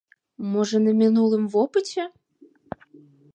Можа, на мінулым вопыце?